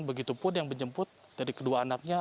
begitupun yang menjemput dari kedua anaknya